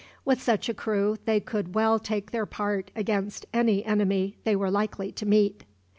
With such a crew, they could well take their part against any enemy they were likely to meet.